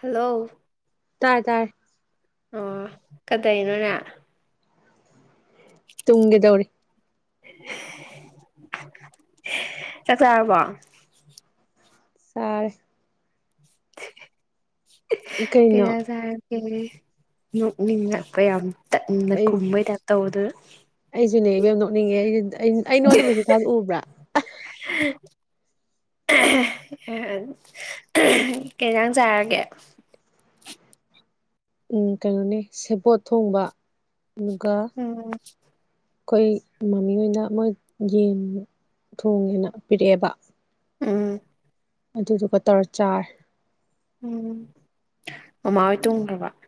hello ꯇꯥꯏ ꯇꯥꯏ ꯑꯣ ꯀꯗꯥꯏꯅꯣꯅꯪ ꯇꯨꯝꯒꯦꯗꯧꯔꯤ ꯆꯥꯛꯆꯥꯔꯕꯣ ꯁꯥꯔꯦ ꯀꯩ ꯀꯩꯅꯣ ꯏꯟꯖꯡ ꯆꯥꯔ ꯅꯣꯛꯅꯤꯡꯉ ꯀꯌꯥꯝ ꯑꯩ ꯈꯨꯝꯕ ꯇ ꯇꯧꯗ ꯑꯩꯁꯨꯅꯦ ꯏꯕꯦꯃꯥ ꯅꯣꯛꯅꯤꯡꯉꯦ ꯑꯩꯗꯤ ꯑꯩ ꯅꯥꯉꯣꯟꯗ ꯃꯦꯁꯁꯥꯒꯦ ꯊꯕꯥꯗꯣ ꯎꯕꯔ꯭ ꯀꯩ ꯑꯦꯟꯁꯪꯡ ꯆꯥꯔꯒꯦ ꯎ ꯀꯩꯅꯣꯅꯦ ꯁꯦꯄꯣꯠ ꯊꯣꯡꯕ ꯑꯗꯨꯒ ꯎꯝ ꯑꯩꯈꯣꯏ ꯃꯃꯤꯅ ꯃꯣꯏ ꯌꯦꯟ ꯊꯣꯡꯉꯦꯅ ꯄꯤꯔꯛꯑꯦꯕ ꯎꯝ ꯑꯗꯨꯗꯨꯒ ꯇꯧꯔꯥ ꯆꯥꯔꯦ ꯎꯝ ꯃꯃꯥ ꯍꯣꯏ ꯇꯨꯝꯒꯔꯕꯣ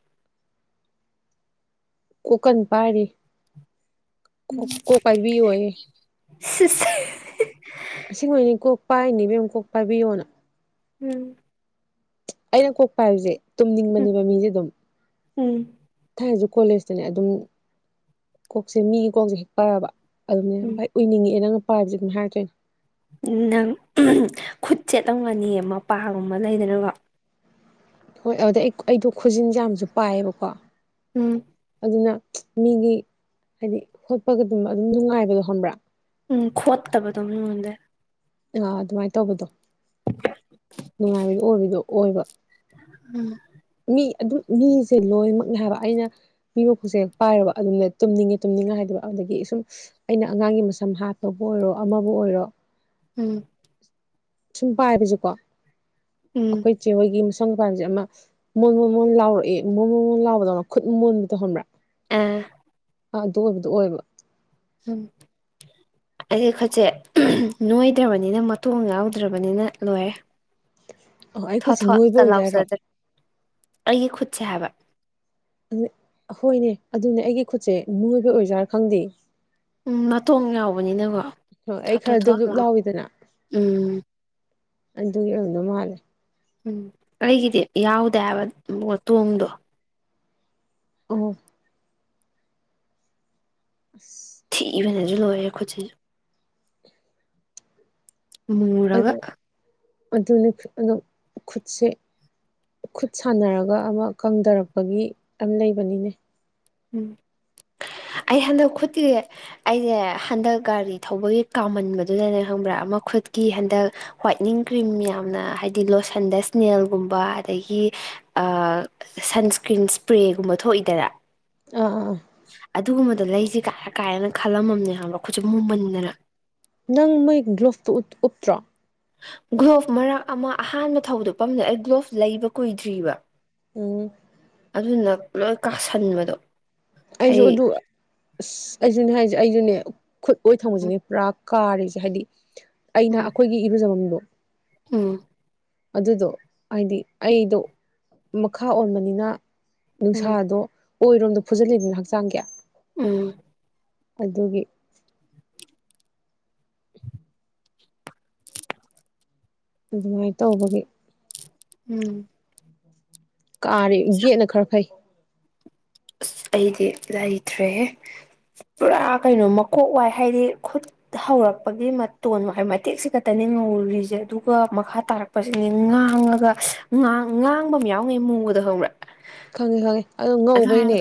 ꯀꯣꯛ ꯀꯥꯟ ꯄꯥꯔꯤ ꯀꯣꯛ ꯀꯣꯛ ꯄꯥꯏꯕꯤ ꯌꯣꯌꯦ ꯁꯤꯁ ꯑꯁꯦꯡꯕꯩꯅꯦ ꯀꯣꯛ ꯄꯥꯏꯅꯤ ꯏꯕꯦꯝꯃꯥ ꯀꯣꯛ ꯄꯥꯏꯕꯤꯌꯣꯅ ꯎꯝ ꯑꯩꯅ ꯀꯣꯛ ꯄꯥꯏꯕꯁꯦ ꯎꯝ ꯇꯨꯝꯅꯤꯡꯕꯅꯦꯕ ꯃꯤꯁꯦ ꯑꯗꯨꯝ ꯎꯝ ꯑꯩꯁꯨ ꯀꯣꯂꯦꯖꯇꯅꯦ ꯑꯗꯨꯝ ꯀꯣꯛꯁꯦ ꯃꯤꯒꯤ ꯀꯣꯛꯁꯦ ꯍꯦꯛ ꯄꯥꯏꯔꯕ ꯑꯗꯨꯅꯦ ꯎꯝ ꯚꯥꯏ ꯎꯏꯅꯤꯡꯉꯑꯦ ꯅꯪ ꯄꯥꯏꯕꯥꯁꯦ ꯑꯗꯨꯝ ꯍꯥꯏꯔꯛꯇꯣꯏꯅꯦ ꯅꯪ ꯈꯨꯠ ꯆꯦꯠꯂꯝꯒꯥꯅꯤꯌꯦꯃꯄꯥꯡ ꯑꯃ ꯂꯩꯗꯅꯕ ꯍꯣꯏ ꯑꯗꯨꯗ ꯑꯩ ꯑꯩꯗꯣ ꯈꯨꯖꯤꯟꯁꯦ ꯌꯥꯝꯁꯨ ꯄꯥꯏꯌꯦꯕꯀꯣ ꯎꯝ ꯑꯗꯨꯅ ꯃꯤꯒꯤ ꯍꯥꯏꯗꯤ ꯍꯣꯠꯄ ꯒꯨꯝꯕ ꯑꯗꯨꯝꯕ ꯑꯗꯨꯝ ꯅꯨꯡꯉꯥꯏꯕꯗꯣ ꯈꯪꯕ꯭ꯔꯥ ꯎꯝ ꯈꯣꯠꯇꯕꯗꯣ ꯃꯤꯉꯣꯟꯗ ꯑ ꯑꯗꯨꯃꯥꯏꯅ ꯇꯧꯕꯗꯣ ꯅꯨꯡꯉꯥꯏꯕꯗꯣ ꯑꯣꯏꯕꯗꯣ ꯑꯣꯏꯕ ꯎꯝ ꯃꯤ ꯑꯗꯨꯝ ꯃꯤꯁꯦ ꯂꯣꯏꯃꯛꯅꯦ ꯍꯥꯏꯕ ꯑꯩꯅ ꯄꯤꯕ ꯈꯨꯠꯁꯦꯛ ꯄꯥꯏꯔꯕ ꯑꯗꯨꯝꯅ ꯇꯨꯝꯅꯤꯡꯉꯤ ꯇꯨꯝꯅꯤꯡꯉꯦ ꯍꯥꯏꯗꯕ ꯑꯗꯒꯤ ꯁꯨꯝ ꯑꯩꯅ ꯑꯉꯥꯡꯒꯤ ꯃꯁꯝ ꯍꯥꯠꯄꯕꯨ ꯑꯣꯏꯔꯣ ꯑꯃꯕꯨ ꯑꯣꯏꯔꯣ ꯎꯝ ꯁꯨꯝ ꯄꯥꯏꯕꯁꯦ ꯀꯦ ꯎꯝ ꯑꯩꯈꯣꯏ ꯆꯦ ꯍꯣꯏꯒꯤ ꯁꯪ ꯄꯥꯏꯕꯥꯁꯦ ꯑꯃ ꯃꯣꯟ ꯃꯣꯟ ꯃꯣꯟ ꯂꯥꯎꯔꯛꯏ ꯃꯣꯟ ꯃꯣꯟ ꯂꯥꯎꯕꯗꯧꯅ ꯈꯨꯠ ꯃꯣꯟꯕꯗꯣ ꯈꯪꯕꯔꯥ ꯑ ꯑ ꯑꯗꯨ ꯑꯣꯏꯕꯗꯣ ꯑꯣꯏꯌꯦꯕꯥ ꯎꯝ ꯑꯩꯗꯤ ꯈꯠꯁꯦ ꯅꯣꯏꯗ꯭ꯔꯕꯅꯤꯅ ꯃꯇꯣꯡ ꯌꯥꯎꯗ꯭ꯔꯕꯅꯤꯅ ꯂꯣꯏꯔꯦ ꯑꯣ ꯊꯣꯠ ꯑꯩꯈꯣꯏꯁꯦ ꯅꯣꯏꯕ ꯊꯣꯠꯀ ꯑꯣꯏꯔꯔꯣ ꯂꯥꯎꯖꯗ꯭ꯔꯦ ꯑꯩꯒꯤ ꯈꯨꯠꯁꯦ ꯍꯥꯏꯕ ꯍꯣꯏꯅꯦ ꯑꯗꯨꯅꯦ ꯑꯩꯒꯤ ꯈꯨꯠꯁꯦ ꯃꯤꯑꯣꯣꯏꯕ ꯑꯣꯏꯖꯥꯔꯥ ꯈꯪꯗꯦ ꯎꯝ ꯅꯥꯇꯣꯡ ꯌꯥꯎꯕꯅꯤꯅꯀꯣ ꯊꯣ ꯑꯩ ꯊꯣ ꯈꯔ ꯗꯨꯞ ꯊꯠ ꯗꯨꯞ ꯂꯑꯣ ꯎꯝ ꯑꯗꯨꯒꯤꯅ ꯃꯥꯂꯦ ꯎꯝ ꯑꯩꯒꯤꯗꯤ ꯌꯥꯎꯗꯦꯕ ꯇꯣꯡꯗꯣ ꯑ ꯑꯁ ꯊ ꯂꯣꯏꯔꯈꯣꯁꯤ ꯃꯨꯔꯒ ꯑꯗꯨꯅꯤ ꯑꯣ ꯈꯨꯠꯁꯦ ꯈꯨꯠ ꯁꯥꯟꯅꯔꯒ ꯑꯃ ꯀꯪꯊꯔꯛꯄꯒꯤ ꯌꯥꯝ ꯂꯩꯕꯅꯤꯅꯦ ꯎꯝ ꯑꯩ ꯍꯟꯗꯛ ꯈꯨꯠꯀꯤ ꯑꯩꯁꯦ ꯍꯟꯗꯛ ꯒꯥꯔꯤ ꯊꯧꯕꯒꯤ ꯀꯥꯃꯟꯕꯗꯨꯗꯅꯦ ꯈꯪꯕ꯭ꯔꯥ ꯑꯃ ꯈꯨꯠꯀꯤ ꯍꯟꯗꯛ ꯋꯥ꯭ꯋꯥꯏꯠꯅꯤꯡ ꯀ꯭ꯔꯤꯝ ꯌꯥꯝꯅ ꯍꯥꯏꯕꯗꯤ ꯂꯣꯁꯟꯗ ꯏꯁꯅꯦꯜꯒꯨꯝꯕ ꯑꯗꯒꯤ ꯁꯟꯁꯀ꯭ꯔꯤꯟ ꯏꯁꯄ꯭ꯔꯦꯒꯨꯝꯕ ꯊꯣꯛꯏꯗꯅ ꯑꯥ ꯑꯥ ꯑꯗꯨꯒꯨꯝꯕꯗꯣ ꯂꯩꯁꯦ ꯀꯥꯏꯔ ꯀꯥꯏꯅ ꯈꯜꯂꯝꯃꯕꯅꯦ ꯍꯥꯏꯕꯣ ꯑꯩꯠꯁꯨ ꯃꯨꯃꯟꯗꯅ ꯅꯪ ꯃꯣꯏ ꯒ꯭ꯂꯣꯐꯇ ꯎꯞꯇ꯭ꯔꯣ ꯒ꯭ꯂꯣꯚ ꯃꯔꯛ ꯑꯃ ꯑꯍꯥꯟꯕ ꯊꯧꯗ ꯄꯝꯗ ꯑꯩ ꯒ꯭ꯂꯣꯚ ꯂꯩꯕ ꯀꯨꯏꯗ꯭ꯔꯤꯕ ꯎꯝ ꯑꯗꯨꯅ ꯂꯣꯏ ꯀꯥꯁꯟꯕꯗꯣ ꯑꯩꯁꯨ ꯑꯩ ꯑꯗꯨ ꯑꯁ ꯑꯩꯁꯨꯅꯦ ꯍꯥꯏꯁ ꯑꯩꯁꯨꯅꯦ ꯈꯨꯠ ꯑꯣꯏꯣꯏ ꯊꯪꯁꯤꯅꯤ ꯄꯨꯔꯥꯛ ꯀꯥꯔꯤꯁꯦ ꯍꯥꯏꯗꯤ ꯑꯩꯅ ꯎꯝ ꯑꯩꯈꯣꯏꯒꯤ ꯏꯔꯨꯖꯃꯗꯣ ꯎꯝ ꯑꯗꯨꯗꯣ ꯍꯥꯏꯗꯤ ꯑꯩꯗꯣ ꯃꯈꯥ ꯑꯣꯟꯕꯅꯤꯅ ꯎꯝ ꯎꯝ ꯅꯨꯡꯁꯥꯗꯣ ꯑꯣꯏꯔꯣ ꯐꯨꯖꯤꯜꯂꯤꯗꯨꯅ ꯍꯛꯆꯥꯡ ꯀꯌꯥ ꯎꯝ ꯑꯗꯨꯒꯤ ꯑꯗꯨꯃꯥꯏꯅ ꯇꯧꯕꯒꯤ ꯎꯝ ꯀꯥꯔꯦ ꯌꯦꯠꯅ ꯈꯔ ꯐꯩ ꯑꯁ ꯑꯩꯗꯤ ꯂꯩꯇ꯭ꯔꯦ ꯄꯨꯔꯥ ꯀꯩꯅꯣ ꯃꯀꯣꯛ ꯋꯥꯏ ꯍꯥꯏꯗꯤ ꯈꯨꯠ ꯍꯧꯔꯛꯄꯒꯤ ꯃꯇꯣꯟ ꯍꯥꯏ ꯃꯇꯦꯛꯁꯤ ꯈꯛꯇꯅꯤ ꯉꯧꯔꯤꯁꯦ ꯑꯗꯨꯒ ꯃꯈꯥ ꯇꯥꯔꯛꯄꯁꯤꯅꯤ ꯉꯥꯡꯉꯒ ꯉꯥꯡꯕ ꯑꯃ ꯌꯥꯎꯅꯤ ꯃꯨꯕꯗ ꯍꯧꯪꯕ꯭ꯔꯥ ꯈꯪꯉꯦ ꯈꯪꯉꯦ ꯑꯣ ꯉꯧꯕꯩꯅꯦ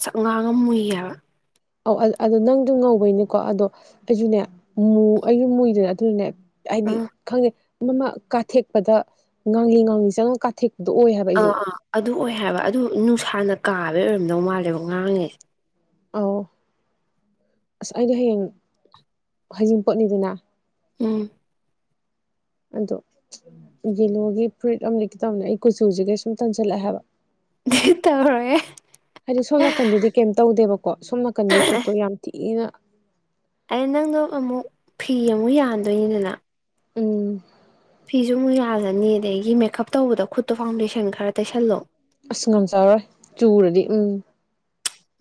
ꯆ ꯉꯥꯡ ꯑꯃ ꯃꯨꯏꯌꯦꯕ ꯑꯧ ꯑꯗꯣ ꯅꯪꯗꯣ ꯉꯧꯕꯩꯅꯤꯀꯣ ꯑꯗꯣ ꯑꯩꯁꯨꯅꯦ ꯑꯩꯁꯨ ꯃꯨꯏꯗꯣꯏꯅꯦ ꯑꯗꯨꯅꯅꯦ ꯍꯥꯏꯗꯤ ꯎꯝ ꯈꯪꯗꯦ ꯃꯃ ꯀꯥꯊꯦꯛꯄꯗ ꯉꯥꯡꯂꯤ ꯉꯥꯡꯂꯤ ꯆꯪꯉꯒ ꯀꯥꯊꯦꯛ ꯑꯥ ꯑꯥ ꯑꯗꯨ ꯑꯣꯏ ꯍꯥꯏꯕ ꯑꯗꯨ ꯅꯨꯡꯁꯥꯅ ꯀꯥꯔꯦ ꯍꯣꯏ ꯑꯣꯏꯔꯝꯗꯧ ꯃꯥꯜꯂꯦꯕꯣ ꯉꯥꯡꯉꯦ ꯑꯧ ꯑꯁ ꯑꯩꯗꯤ ꯍꯌꯦꯡ ꯍꯖꯤꯡꯄꯣꯠꯅꯤꯗꯅ ꯎꯝ ꯑꯗꯣ ꯌꯦꯂꯣꯒꯤ ꯐ꯭ꯔꯨꯏꯠ ꯑꯅꯦ ꯈꯤꯇꯪꯅꯦ ꯑꯩ ꯀꯨꯆꯨꯁꯤꯒꯩ ꯁꯨꯝ ꯇꯟꯁꯤꯜꯂꯛꯑꯦ ꯍꯥꯏꯕ ꯇꯧꯔꯦ ꯍꯥꯏꯗꯤ ꯁꯣꯝ ꯅꯥꯀꯟꯗꯨꯗꯤ ꯀꯩꯝ ꯇꯧꯗꯦꯕ ꯀꯣ ꯁꯨꯝꯅꯥꯀꯟꯗꯤ ꯈꯨꯠꯇꯣ ꯌꯥꯝ ꯊꯤꯅ ꯑꯩ ꯅꯪꯅ ꯑꯃꯨꯛ ꯐꯤ ꯑꯃꯨꯛ ꯌꯥꯟꯗꯣꯏꯅꯤꯗꯅ ꯎꯝ ꯐꯤꯁꯨ ꯑꯃꯨꯛ ꯌꯥꯖꯅꯤ ꯑꯗꯒꯤ ꯃꯦꯀꯞ ꯇꯧꯕꯗꯣ ꯈꯨꯠꯇꯣ ꯐꯥꯎꯟꯗꯦꯁꯟ ꯈꯔ ꯇꯩꯁꯜꯂꯣ ꯑꯁ ꯉꯝ ꯆꯔꯣꯏ ꯆꯨꯔꯗꯤ ꯎꯝ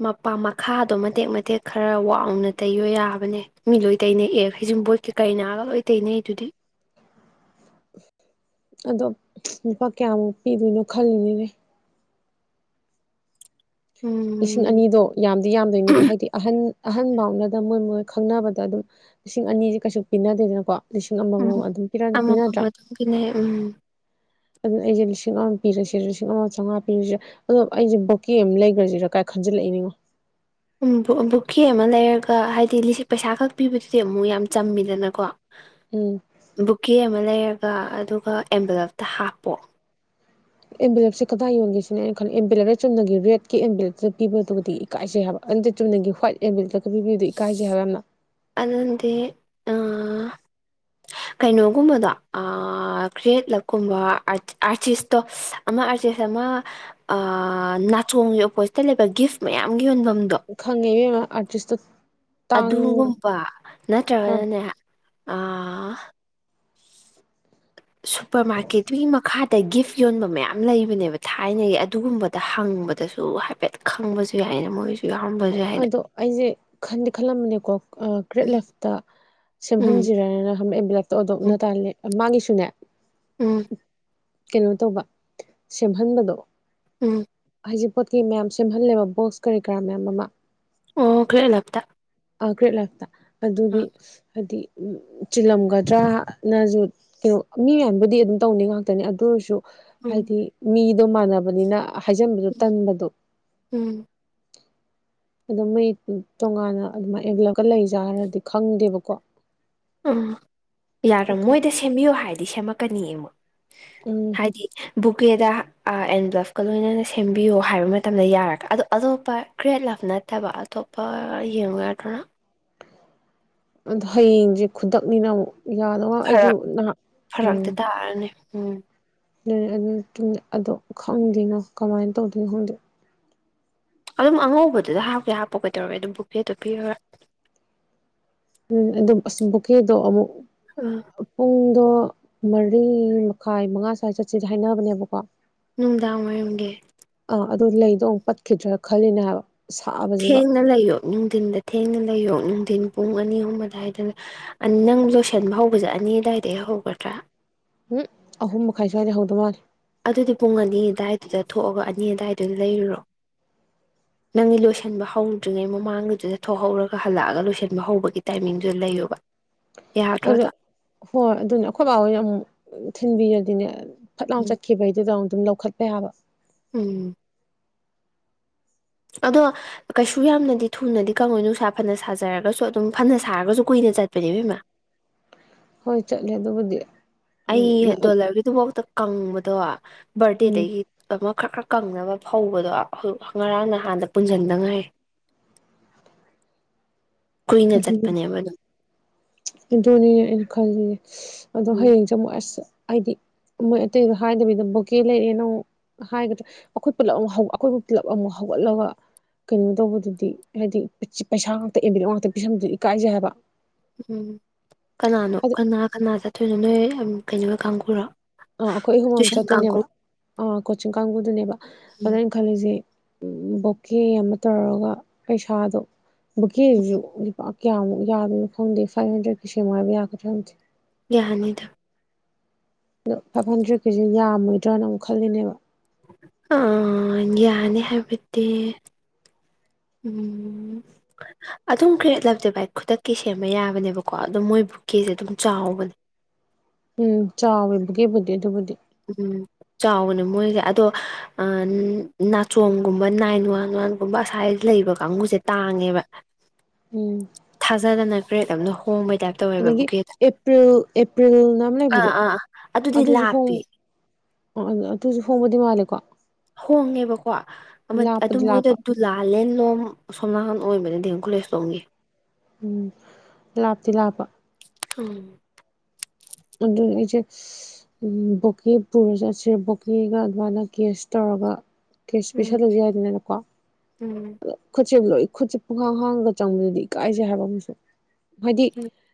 ꯃꯄꯥ ꯃꯈꯥꯗꯣ ꯃꯇꯦꯛ ꯃꯇꯦꯛ ꯈꯔ ꯋꯥꯡꯅ ꯇꯩꯌꯣ ꯌꯥꯕꯅꯦ ꯃꯤ ꯂꯣꯏ ꯇꯩꯅꯩꯑ ꯍꯩꯖꯤꯡꯕꯣꯠꯀꯤ ꯀꯩꯅꯥꯒ ꯂꯣꯏ ꯇꯩꯅꯩ ꯑꯗꯨꯗꯤ ꯑꯗꯣ ꯂꯨꯄꯥ ꯀꯌꯥꯃꯨꯛ ꯄꯤꯗꯣꯏꯅꯣ ꯈꯜꯂꯤꯅꯤꯅꯦ ꯂꯤꯁꯤꯡ ꯎꯝ ꯑꯅꯤꯗꯣ ꯌꯥꯝꯗꯤ ꯌꯥꯝꯗꯣꯏꯅꯦꯕ ꯍꯥꯏꯗꯤ ꯑꯍꯟ ꯑꯍꯟꯐꯥꯎꯗꯗ ꯃꯣꯏ ꯃꯣꯏ ꯈꯪꯅꯕꯗ ꯑꯗꯨꯝ ꯂꯤꯁꯤꯡ ꯑꯅꯤꯁꯦ ꯀꯩꯁꯨ ꯄꯤꯅꯗꯦꯗꯅꯀꯣ ꯂꯤꯁꯤꯡ ꯑꯃꯃꯝ ꯑꯗꯨꯝ ꯎꯝ ꯄꯤꯅꯗ꯭ꯔꯥ ꯑꯗꯨꯅꯦ ꯎꯝ ꯑꯗꯨꯅ ꯑꯩꯁꯦ ꯂꯤꯁꯤꯡ ꯑꯃ ꯄꯤꯔꯁꯤꯔ ꯂꯤꯁꯤꯡ ꯑꯃ ꯆꯥꯝꯃꯉꯥ ꯄꯤꯔꯤꯁꯤꯔ ꯑꯗꯣ ꯑꯩꯁꯦ ꯕꯣꯀꯤ ꯑꯃ ꯂꯩꯈ꯭ꯔꯁꯤꯔꯥ ꯀꯥꯏ ꯈꯟꯖꯤꯜꯂꯛꯏꯅꯤꯅꯣ ꯕꯨꯛꯈꯤ ꯑꯃ ꯂꯩꯔꯒ ꯍꯥꯏꯗꯤ ꯂꯤ ꯄꯩꯁꯥ ꯈꯛ ꯄꯤꯕꯗꯨꯗꯤ ꯑꯃꯨꯛ ꯌꯥꯝ ꯆꯝꯃꯤꯗꯅꯀꯣ ꯎꯝ ꯕꯨꯀꯦ ꯑꯃ ꯂꯩ ꯑꯗꯨꯒ ꯑꯦꯝꯕꯂꯞꯇ ꯍꯥꯞꯄꯣ ꯑꯦꯝꯚꯦꯂꯦꯞꯁꯦ ꯀꯗꯥꯏ ꯌꯣꯟꯒꯦꯁꯤꯅꯩꯅ ꯈꯜꯂꯤ ꯑꯦꯝꯚꯦꯂꯦꯞꯇ ꯆꯨꯝꯅꯒꯤ ꯔꯦꯗꯀꯤ ꯑꯦꯝꯕꯤꯂꯦꯇ ꯄꯤꯕꯗꯨꯗꯤ ꯏꯀꯥꯏꯁꯦ ꯍꯥꯏꯕ ꯑꯗꯨ ꯆꯨꯝꯅꯒꯤ꯭ꯏꯠ ꯑꯦꯝꯕꯤꯦꯂꯦꯠꯇ ꯄꯤꯕꯤꯕꯗꯨ ꯏꯀꯥꯏꯁꯦ ꯍꯥꯏꯕ ꯌꯥꯝꯅ ꯑꯗꯨꯗꯤ ꯀꯩꯅꯣꯒꯨꯝꯕꯗꯣ ꯀ꯭ꯔꯤꯌꯦꯠꯂꯛꯀꯨꯝꯕ ꯑꯥꯔꯇꯤꯁꯇꯣ ꯑꯃ ꯑꯥꯔꯇꯤꯁ ꯑꯃ ꯅꯥꯆꯣꯡꯒꯤ ꯑꯣꯄꯣꯖꯤꯠꯇ ꯂꯩꯕ ꯒꯤꯐ ꯃꯌꯥꯝ ꯌꯣꯟꯐꯝ ꯉ ꯈꯪꯉꯦꯕꯦꯝꯃ ꯑꯔꯇꯤꯁ ꯑꯗꯨꯒꯨꯝꯕ ꯑ ꯅꯠꯇ꯭ꯔꯒꯅꯅꯦ ꯑꯥ ꯁꯨꯄꯔ ꯃꯥꯔꯀꯦꯠꯇꯨꯒꯤ ꯃꯈꯥꯗ ꯒꯤꯐ ꯌꯣꯟꯕ ꯃꯌꯥꯝ ꯂꯩꯕꯅꯦꯕ ꯊꯥꯏꯅꯒꯤ ꯑꯗꯨꯒꯨꯝꯕꯗ ꯍꯪꯕꯗꯁꯨ ꯍꯥꯏꯐꯦꯠ ꯈꯪꯕꯁꯨ ꯌꯥꯏꯅ ꯃꯣꯏꯁꯨ ꯌꯥꯎꯔꯝꯕꯁꯨ ꯌꯥꯏꯅ ꯑꯗꯣ ꯑꯩꯁꯦ ꯈꯟꯗꯤ ꯈꯜꯂꯝꯕꯅꯦꯀꯣ ꯒ꯭ꯔꯔꯤꯠ ꯂꯦꯐꯇ ꯎꯝ ꯁꯦꯝꯍꯟꯁꯤꯔꯅ ꯍꯑ ꯕꯤꯂꯦꯛꯇ ꯑꯣꯗꯣꯛ ꯎꯝ ꯎꯝ ꯎꯅ ꯇꯥꯜꯂꯦ ꯃꯥꯡꯉꯤꯁꯨꯅꯦ ꯎꯝ ꯀꯩꯅꯣ ꯇꯧꯕ ꯁꯦꯝꯍꯟꯕꯗꯣ ꯎꯝ ꯍꯥꯏꯖꯤꯛ ꯄꯣꯠꯀꯤ ꯃꯌꯥꯝ ꯁꯦꯝꯍꯜꯂꯦꯕ ꯕꯣꯛꯁ ꯀꯔꯤ ꯀꯔꯥ ꯃꯌꯥꯝ ꯑꯃ ꯑꯣ ꯀ ꯂꯥꯛꯇ ꯑ ꯀ꯭ꯔꯦ ꯂꯥꯛꯇꯥ ꯑꯗꯨꯒꯤ ꯍꯥꯏꯗꯤ ꯎꯝ ꯆꯤꯜꯂꯝꯒꯗ꯭ꯔꯥꯅꯁꯨ ꯇꯧ ꯃꯤ ꯃꯌꯥꯝꯕꯨꯗꯤ ꯑꯗꯨꯝ ꯇꯧꯅꯩ ꯉꯥꯛꯇꯅꯤ ꯑꯗꯨ ꯑꯣꯏꯔꯁꯨ ꯎꯝ ꯍꯥꯏꯗꯤ ꯃꯤ ꯑꯗꯨ ꯃꯥꯟꯅꯕꯅꯤꯅ ꯍꯥꯏꯖꯟꯕꯗꯨ ꯇꯟꯕꯗꫭ ꯎꯝ ꯑꯗꯨ ꯃꯤ ꯇꯣꯉꯥꯟꯅ ꯑꯗꯨꯃꯥꯏꯅ ꯑꯦꯟꯚꯦꯂꯞꯀ ꯂꯩꯔꯤꯖꯥꯔꯥꯗꯤ ꯈꯪꯗꯦꯕꯀꯣ ꯑꯥ ꯌꯥꯔ ꯃꯣꯏꯗ ꯁꯦꯝꯕꯤꯌꫭ ꯍꯥꯏ ꯗꯤ ꯁꯦꯝꯃꯛꯀꯅꯤꯌꯦ ꯃꫭꯏ ꯎꯝ ꯍꯥꯏꯗꯤ ꯕꯨꯀꯦꯗ ꯑ ꯑꯦꯟ ꯕ꯭ꯂꯞꯀ ꯂꯣꯏꯅꯅ ꯁꯦꯝꯕꯤꯌꯣ ꯍꯥꯏꯕ ꯃꯇꯝꯗ ꯌꯥꯔꯛ ꯑꯗꯣ ꯑꯇꯣꯞꯄ ꯀ꯭ꯔꯦꯠ ꯂꯞ ꯅꯠꯇꯕ ꯑꯇꯣꯞꯄ ꯌꯦꯡꯉꫭ ꯌꯥꯗ꯭ꯔ ꯑꯗ ꯍꯌꯦꯡꯁꯦ ꯈꯨꯗꯛꯅꯤꯅ ꯑꯃꯨꯛ ꯌꯥꯗꯧꯕ ꯑꯩꯁꯨ ꯐꯔꯛ ꯅꯍꯥꯛ ꯎꯝ ꯐꯔꯛꯇꯤ ꯇꯥꯔꯅꯤ ꯎꯝ ꯅꯣꯏ ꯑꯗꯨ ꯗꯨ ꯅꯦ ꯑꯗꯣ ꯈꯪꯗꯦꯅꯦ ꯀꯃꯥꯏꯅ ꯇꯧꯗꯣꯏꯅꯣ ꯈꯪꯗꯦ ꯑꯗꯨꯝ ꯑꯉꯧꯕꯗꯨꯗ ꯍꯥꯞꯄꯀꯦ ꯍꯥꯞꯄꫭ ꯀꯩꯗꯧꯔꯦ ꯑꯗꯨꯝ ꯕꯨꯀꯦꯗꯨ ꯄꯤꯔꯒ ꯎꯝ ꯑꯗꯨꯝ ꯕꯨꯀꯦꯗꯣ ꯑꯃꯨꯛ ꯎꯝ ꯄꯨꯡꯗꫭ ꯃꯔꯤ ꯃꯈꯥꯏ ꯃꯉꯥ ꯁ꯭ꯋꯥꯏ ꯆꯠꯁꯤꯁꯤ ꯍꯥꯏꯅꯕꯅꯦꯕꯀꯣ ꯅꯨꯡꯗꯥꯡ ꯋꯥꯏꯔꯝꯒꯤ ꯑꯥ ꯑꯗꯨ ꯂꯩꯗꯣ ꯑꯃꯨꯛ ꯄꯠꯈꯤꯗ꯭ꯔꯥ ꯈꯜꯂꯤꯅꯦ ꯍꯥꯏꯕ ꯁꯥꯕꯁꯤꯒ ꯊꯦꯡꯅ ꯂꯩꯌꯣ ꯅꯨꯡꯊꯤꯟꯗ ꯊꯦꯡꯅ ꯂꯩꯌꯣ ꯅꯨꯡꯊꯤꯟ ꯄꯨꯡ ꯑꯅꯤ ꯑꯍꯨꯝ ꯑꯗꯥꯏꯗ ꯑ ꯅꯪ ꯂꯣꯏꯁꯟꯕ ꯍꯧꯕꯁꯦ ꯑꯅꯤ ꯑꯗꯥꯏꯗꯩ ꯍꯧꯒꯗ꯭ꯔꯥ ꯍꯨꯝ ꯑꯍꯨꯝ ꯃꯈꯥꯏ ꯁ꯭ꯋꯥꯏꯗꯩ ꯍꯧꯗꯧ ꯃꯥꯜꯂꯦ ꯑꯗꯨꯗꯤ ꯄꯨꯡ ꯑꯅꯤ ꯑꯗꯥꯏꯗꯨꯗ ꯊꯣꯛꯑꯒ ꯑꯅꯤ ꯑꯗꯥꯏꯗꯨꯗ ꯂꯩꯔꯨꯔꯣ ꯅꯪꯒꯤ ꯂꯣꯏꯁꯤꯟꯕ ꯍꯧꯗ꯭ꯔꯤꯉꯩ ꯃꯃꯥꯡꯒꯨꯗꯨꯗ ꯊꯣꯛꯍꯧꯔꯒ ꯍꯜꯂꯛꯑꯒ ꯂꯣꯏꯁꯟꯕ ꯍꯧꯕꯒꯤ ꯇꯥꯏꯃꯤꯡꯗꯨꯗ ꯂꯩꯌꫭꯕ ꯑꯗꯣ ꯍꯣꯏ ꯑꯗꯨꯅꯦ ꯑꯩꯈꯣꯏ ꯕꯥꯥ ꯍꫭꯏꯅ ꯑꯃꯨꯛ ꯊꯤꯟꯕꯤꯔ ꯑꯗꯨꯅꯦ ꯐꯠ ꯂꯥꯎꯅ ꯎꯝ ꯆꯈꯤꯕꯩꯗꯨꯗ ꯑ ꯑꯗꯨꯝ ꯂꯧꯈꯠꯄ ꯌꯥꯕ ꯎꯝ ꯑꯗꯣ ꯀꯩꯁꯨ ꯌꯥꯝꯅꯗꯤ ꯊꯨꯅꯗꯤ ꯀꯪꯉꯣꯏ ꯅꯨꯡꯁꯥ ꯐꯅ ꯁꯥꯖꯔꯒꯁꯨ ꯑꯗꯨꯝ ꯐꯅ ꯁꯥꯔꯒꯁꯨ ꯀꯨꯏꯅ ꯆꯠꯄꯅꯦꯕ ꯏꯕꯦꯝꯃ ꯍꯣꯏ ꯆꯠꯂꯦ ꯑꯗꯨꯕꯨꯗꯤ ꯑꯩ ꯍꯥꯏꯗꯤ ꯗꯣꯂꯔꯒꯤꯗꯨ ꯕꯧꯗ ꯀꯪꯕ ꯗꯣ ꯎꯝ ꯕꯔꯗꯦꯗꯒꯤ ꯗꯃꯛ ꯈꯔꯛ ꯈꯔꯛ ꯀꯪꯅꯕ ꯐꯧꯕꯗꯣ ꯉꯔꯥꯡ ꯅꯍꯥꯟꯗ ꯄꯨꯟꯖꯟꯗ ꯉꯥꯏꯔꯤ ꯑꯗꯨ ꯑꯗꯨꯅꯤꯅꯦ ꯑꯩꯅ ꯈꯜꯂꯤ ꯑꯗꯣ ꯎꯝ ꯍꯌꯦꯡꯁꯦ ꯑꯃꯨꯛ ꯑꯁ ꯍꯥꯏꯗꯤ ꯃꯣꯏ ꯑꯇꯩꯗ ꯍꯥꯏꯗꯕꯤꯗ ꯕꯣꯀꯦ ꯂꯩꯔꯦꯅ ꯑꯃ ꯍꯥꯏꯒꯗ꯭ꯔꯥ ꯑꯩꯈꯣꯏ ꯄꯨꯂꯞ ꯑꯃꯨꯛ ꯑꯩꯈꯣꯏꯕꯨ ꯄꯨꯜꯂꯞ ꯑꯃꯨꯛ ꯍꯧꯒꯠꯂꯒ ꯀꯩꯅꯣ ꯇꯧꯕꯗꯨꯗꯤ ꯍꯥꯏꯗꯤ ꯄꯩꯁꯥ ꯉꯥꯛꯇꯕꯤꯔ ꯉꯥꯛꯇ ꯐꯤꯁꯝꯗꯨ ꯏꯀꯥꯏꯖꯩ ꯍꯥꯏꯕ ꯎꯝ ꯀꯅꯥꯅꯣ ꯑꯗ ꯀꯅꯥ ꯀꯅꯥ ꯆꯠ ꯊꯣꯏꯅꯣ ꯅꯣꯏ ꯌꯥꯝ ꯀꯩꯅꯣ ꯀꯥꯡꯈꯔꯣ ꯑꯥ ꯑꯩꯈꯣꯏ ꯑꯍꯨꯝ ꯑꯃ ꯆꯠꯇꯣꯏꯅꯦꯕ ꯑꯥ ꯀꯣꯆꯤꯡ ꯀꯥꯡꯕꯨꯗꯨꯅꯦꯕ ꯑꯗꯨꯗ ꯎꯝ ꯑꯩꯅ ꯈꯜꯂꯤꯁꯤꯦ ꯎꯝ ꯕꯣꯛꯀꯦ ꯑꯃ ꯇꯧꯔꯒ ꯄꯩꯁꯥꯗꯣ ꯕꯨ ꯀꯦ ꯌ ꯀꯌꯥꯃꯨꯛ ꯌꯥꯗꯣꯏꯅꯣ ꯈꯪꯗꯦ ꯐꯥꯏꯚ ꯍꯟꯗ꯭ꯔꯦꯗꯀꯤ ꯁꯕ ꯌꯥꯒꯗ꯭ꯔꯥ ꯈꯪꯗꯦ ꯌꯥꯍꯅꯤꯗ ꯑꯗ ꯐꯥꯏꯚ ꯍꯟꯗ꯭ꯔꯦꯠꯀꯤꯁꯤ ꯌꯥꯝꯃꯣꯏꯗ꯭ꯔꯅ ꯑꯃꯨꯛ ꯈꯜꯂꯤꯅꯦꯕ ꯑ ꯌꯥꯅꯦꯦ ꯍꯥꯏꯕꯠꯇꯗꯤ ꯎꯝ ꯑꯗꯨꯝ ꯀꯔꯠꯂꯕꯇꯦ ꯚꯥꯏ ꯈꯨꯗꯛꯀꯤ ꯁꯦꯝꯕ ꯌꯥꯕꯅꯦꯕꯀꯣ ꯑꯗꯨꯝ ꯃꯣꯏ ꯕꯨꯛꯀꯤꯦꯁꯦ ꯑꯗꯨꯝ ꯆꯥꯎꯕꯅꯦ ꯎꯝ ꯆꯥ ꯕꯤꯕꯒꯦꯕꯨꯗꯤ ꯑꯗꯨꯕꯨꯗꯤ ꯎꯝ ꯆꯥꯎꯕꯅꯦ ꯃꯣꯏꯁꯦ ꯑꯗꯣ ꯅꯥꯆꯣꯡꯒꯨꯝꯕ ꯅꯥꯏꯟ ꯋꯥꯟ ꯋꯥꯟꯒꯨꯝꯕ ꯑꯁꯥꯏ ꯂꯩꯕ ꯀꯥꯡꯕꯨꯁꯦ ꯇꯥꯡꯉꯦꯕ ꯎꯝ ꯊꯥꯖꯗꯅ ꯀ꯭ꯔꯦꯗꯝꯅꯣ ꯑꯗꯒꯤ ꯑꯦꯄ꯭ꯔꯤꯜ ꯑꯦꯄ꯭ꯔꯤꯜꯅ ꯑꯃ ꯂꯩꯕꯗꯣ ꯑꯗꯨꯁꯨ ꯍ ꯊ ꯑꯗꯨ ꯑꯗꯨꯨꯁꯨ ꯍꯣꯡꯕꯗꯤ ꯃꯥꯜꯂꯦꯀꯣ ꯍꯣꯡꯉꯦꯕꯀꯣ ꯑꯗꯨ ꯂꯥꯞꯄꯗꯤ ꯃꯣꯏꯗ ꯂꯥꯞꯄ ꯗꯨꯂꯥꯂꯦꯟꯂꯣꯡ ꯎ ꯁꯣꯝ ꯅꯥꯍꯥꯟ ꯑꯣꯏꯕꯅꯤꯗꯤ ꯀꯣꯂꯦꯖ ꯇꯣꯡꯒꯤꯦ ꯎꯝ ꯂꯥꯞꯇꯤ ꯂꯥꯞꯄ ꯎꯝ ꯑꯗꯨꯅ ꯑꯩꯁꯦ ꯕꯣꯀꯦ ꯄꯨꯔ ꯆꯠꯁꯦ ꯕꯣꯀꯦꯒ ꯑꯗꯨꯃꯥꯏꯅ ꯀꯦꯁ ꯇꯧꯔꯒ ꯀꯦꯁ ꯎꯝ ꯄꯁꯜꯂꯁꯨ ꯌꯥꯏꯗꯅꯅꯀꯣ ꯑ ꯎꯝ ꯈꯨꯠꯁꯦ ꯂꯣꯏ ꯈꯨꯠꯁꯦ ꯄꯨꯡꯈꯥꯡ ꯍꯥꯡꯉꯒ ꯆꯪꯕꯗꯗꯤ ꯏꯀꯥꯏꯁꯦ ꯍꯥꯏꯕ ꯑꯃꯁꯨ ꯍꯥꯏꯗꯤ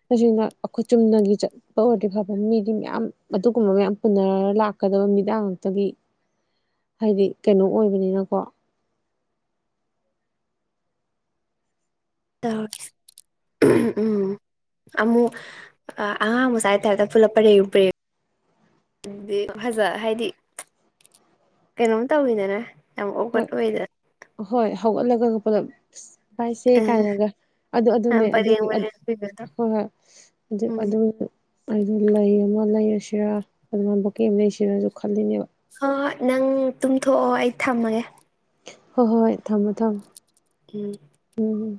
ꯇꯁꯦꯡꯅ ꯑꯩꯈꯣꯏ ꯆꯨꯝꯅꯒꯤ ꯆꯠ ꯐ ꯑꯣꯏꯔꯗꯤ ꯐꯕ ꯃꯤꯗꯤ ꯃꯌꯥꯝ ꯑꯗꯨꯒꯨꯝꯕ ꯃꯌꯥꯝ ꯄꯨꯟꯅꯔꯒ ꯂꯥꯛꯀꯗꯕ ꯃꯤꯗꯥꯡ ꯉꯇꯒꯤ ꯍꯥꯏꯗꯤ ꯀꯩꯅꯣ ꯑꯣꯏꯕꯅꯤꯅꯀꯣ ꯎꯝ ꯑꯃꯨꯛ ꯑꯉꯥꯡ ꯃꯁꯨ ꯍꯥꯏꯇꯥꯔꯦꯛꯇ ꯄꯨꯂꯞ ꯄꯔꯦꯨꯝ ꯄꯔꯦ ꯐꯖ ꯍꯥꯏꯗꯤ ꯀꯩꯅꯣꯝ ꯇꯧꯋꯤꯗꯅꯦ ꯌꯥꯝ ꯑꯣꯒꯠ ꯑꯣꯏꯗ ꯍꯣꯏ ꯍꯧꯒꯠꯂꯒ ꯄꯨꯂꯞ ꯄꯥꯏꯁꯦ ꯀꯥꯏꯅꯒ ꯑꯗꯨ ꯑꯗꯨꯅꯦ ꯄꯔꯦꯡ ꯑꯗꯨꯗꯤ ꯄꯔꯦꯡ ꯄꯤꯕꯗꯣ ꯍꯣꯏ ꯍꯣꯏ ꯑꯗꯨ ꯎꯝ ꯑꯗꯨ ꯑꯩ ꯂꯩꯃꯣ ꯂꯩꯔ ꯁꯤꯔꯥ ꯑꯗꯨꯅ ꯕꯨꯣꯀꯦ ꯑꯃ ꯂꯩꯁꯤꯔꯁꯨ ꯈꯜꯂꯤꯅꯦꯕ ꯍꯣꯏ ꯅꯪ ꯇꯨꯝꯊꯣꯛꯑꯣ ꯑꯩ ꯊꯝꯃꯒꯦ ꯍꯣꯏ ꯍꯣꯏ ꯍꯣꯏ ꯊꯝꯃꯣ ꯊꯝꯃꯣ ꯎꯝ ꯎꯝ ꯎꯝ